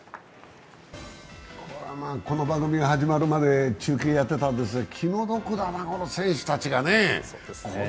これはこの番組が始まるまで中継をやってたんですけど気の毒だな、選手たちがね。